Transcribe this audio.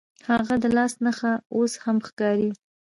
هغه د لاس نښه اوس هم ښکاري.